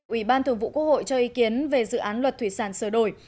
ủy ban thường vụ quốc hội cho ý kiến về dự án luật thủy sản sơ đổi